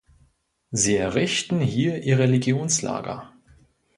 Sie errichten hier ihre Legionslager.